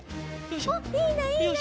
おっいいねいいね！